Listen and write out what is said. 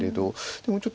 でもちょっと。